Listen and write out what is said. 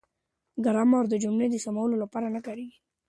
ګرامر د جملو د سموالي لپاره نه کاریږي.